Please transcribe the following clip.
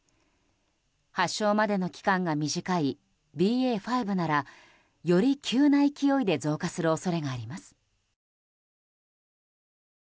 発症までの期間が短いＢＡ．５ならより急な勢いで増加する恐れがあります。